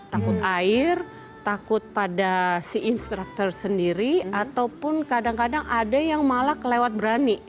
takut air takut pada si instructor sendiri ataupun kadang kadang ada yang malah kelewat berani